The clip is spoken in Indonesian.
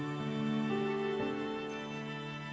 saya tuh selalu menikmati dirinya